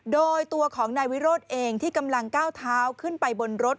โดยตัวของนายวิโรธเองที่กำลังก้าวเท้าขึ้นไปบนรถ